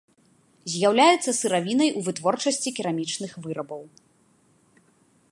З'яўляецца сыравінай у вытворчасці керамічных вырабаў.